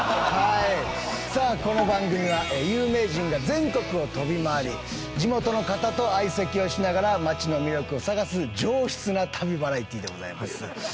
さあ、この番組は有名人が全国を飛び回り地元の方と相席をしながら町の魅力を探す上質な旅バラエティーでございます。